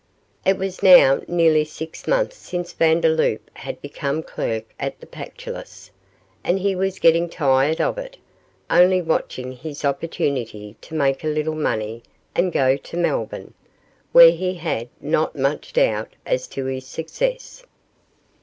It was now nearly six months since Vandeloup had become clerk at the Pactolus, and he was getting tired of it, only watching his opportunity to make a little money and go to Melbourne, where he had not much doubt as to his success.